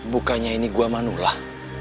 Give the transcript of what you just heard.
bukannya ini gua manullah